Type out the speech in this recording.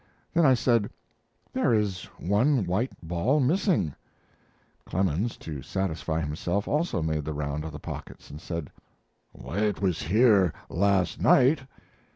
Then I said: "There is one white ball missing." Clemens, to satisfy himself, also made the round of the pockets, and said: "It was here last night."